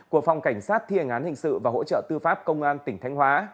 của phòng cảnh sát thiền án hình sự và hỗ trợ tư pháp công an tỉnh thanh hóa